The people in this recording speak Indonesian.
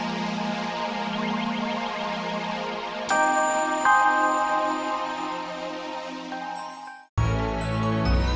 sampai jumpa lagi